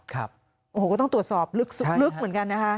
ก็ต้องตรวจสอบลึกเหมือนกันนะฮะ